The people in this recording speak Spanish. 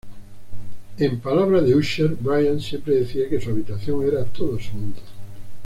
En palabras de Usher: "Brian siempre decía que su habitación era todo su mundo".